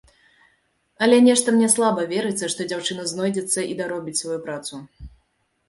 Але нешта мне слаба верыцца, што дзяўчына знойдзецца і даробіць сваю працу.